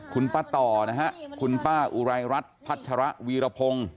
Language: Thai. คุณป้าต่อนะฮะคุณป้าอุไรรัฐพัชระวีรพงศ์